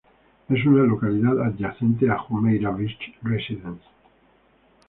Es una localidad adyacente a Jumeirah Beach Residence.